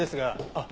あっ。